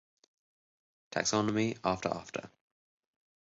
Taxonomy after after